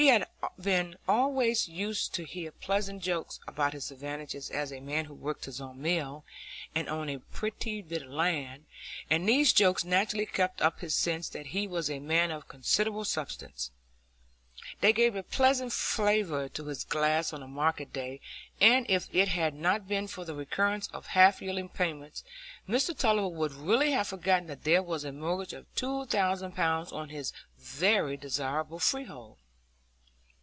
He had been always used to hear pleasant jokes about his advantages as a man who worked his own mill, and owned a pretty bit of land; and these jokes naturally kept up his sense that he was a man of considerable substance. They gave a pleasant flavour to his glass on a market day, and if it had not been for the recurrence of half yearly payments, Mr Tulliver would really have forgotten that there was a mortgage of two thousand pounds on his very desirable freehold.